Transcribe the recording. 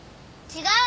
違う。